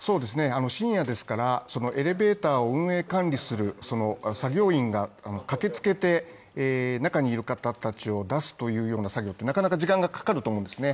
深夜ですからエレベーターを運営・管理する作業員が駆けつけて、中にいる方たちを出すというような作業って時間がかかると思うんですね。